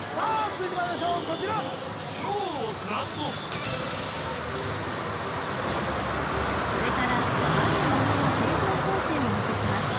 続いてまいりましょうこちらこれからある物の製造工程をお見せします